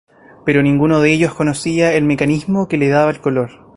Pero ninguno de ellos conocía el mecanismo que le daba el color.